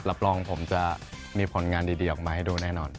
รับรองผมจะมีผลงานดีออกมาให้ดูแน่นอน